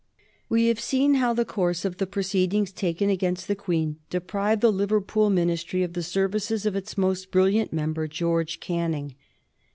] We have seen how the course of the proceedings taken against the Queen deprived the Liverpool Ministry of the services of its most brilliant member, George Canning.